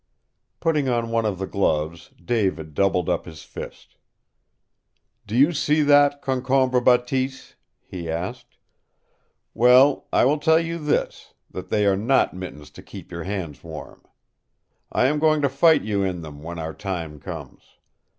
Putting on one of the gloves, David doubled up his fist. "Do you see that, Concombre Bateese?" he asked. "Well, I will tell you this, that they are not mittens to keep your hands warm. I am going to fight you in them when our time comes.